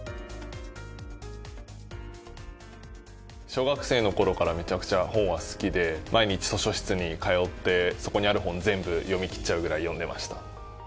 小学生の頃からめちゃくちゃ本は好きで毎日図書室に通ってそこにある本を全部読み切っちゃうぐらい読んでました。